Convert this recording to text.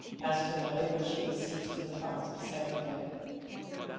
asked her mother, when she was seated on the box beside her bed.